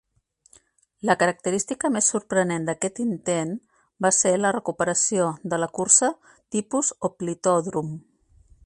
La característica més sorprenent d'aquest intent va ser la recuperació de la cursa tipus hoplitòdrom.